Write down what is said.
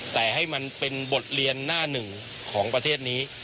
แต่ให้มันเป็นบทเรียนหน้าหนึ่งของประเทศนี้